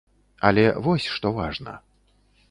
Але вось што важна.